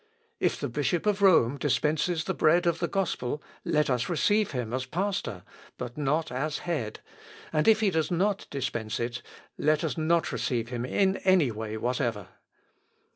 If the Bishop of Rome dispenses the bread of the gospel, let us receive him as pastor, but not as head; and if he does not dispense it, let us not receive him in any way whatever."